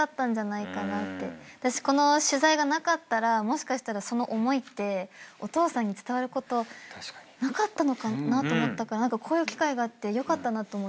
この取材がなかったらもしかしたらその思いってお父さんに伝わることなかったのかなと思ったから何かこういう機会があってよかったなと思いました。